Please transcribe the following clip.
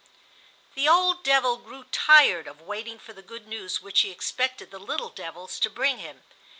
The old devil grew tired of waiting for the good news which he expected the little devils to bring him.